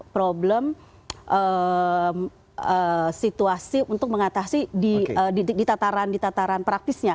problem situasi untuk mengatasi di tataran di tataran praktisnya